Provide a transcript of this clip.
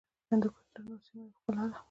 هندوکش د شنو سیمو یوه ښکلا ده.